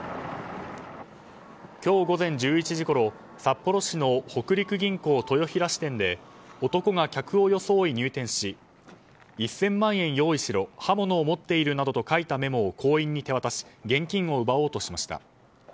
今日午前１１時ごろ札幌市の北陸銀行豊平支店で男が客を装い入店し１０００万円用意しろ刃物を持っているなどと書いたメモを行員に手渡し現金を奪おうとしました。